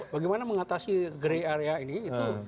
bagaimana mengatasi grey area ini itu